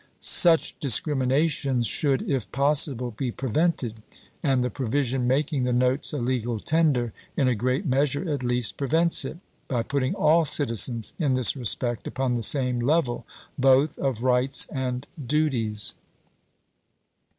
Such discriminations should, if pos sible, be prevented ; and the provision making the notes a legal tender, in a great measure at least prevents it, by "Life of s.' putting all citizens in this respect upon the same level 'p. 244!^' both of rights and duties.